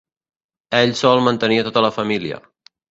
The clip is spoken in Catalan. Ell sol mantenia tota la família.